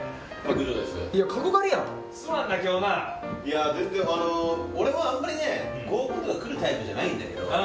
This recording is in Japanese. いやあ全然あの俺はあんまりね合コンとか来るタイプじゃないんだけど。